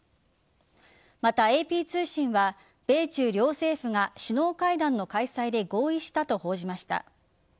また、ＡＰ通信は米中両政府が首脳会談の開催で合意したと報じました。